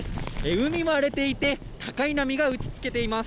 海も荒れていて、高い波が打ちつけています。